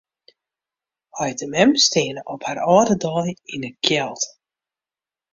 Heit en mem steane op har âlde dei yn 'e kjeld.